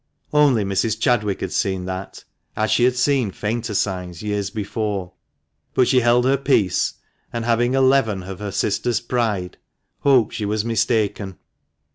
Only Mrs. Chadwick had seen that, as she had seen fainter signs years before ; but she held her peace, and, having a leaven of her sister's pride, "hoped she was mistaken."